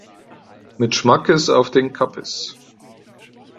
Mit Schmackes auf den Kappes.